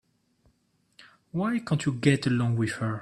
Why can't you get along with her?